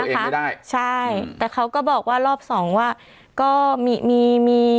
ก็จะช่วยเหลือตัวเองไม่ได้ใช่แต่เขาก็บอกว่ารอบสองว่าก็มีมีมี